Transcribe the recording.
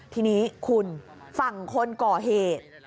ทีนี้คุณฝั่งคนก่อเหตุ